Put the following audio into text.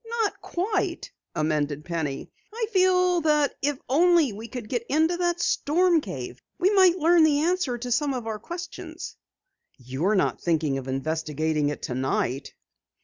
"Not quite," amended Penny. "I feel that if only we could get into that storm cave, we might learn the answer to some of our questions." "You're not thinking of investigating it tonight?"